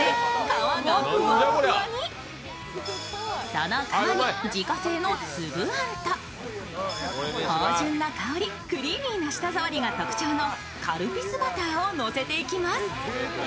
その皮に自家製の粒あんと芳じゅんな香りクリーミーな舌触りが特徴のカルピスバターをのせていきます。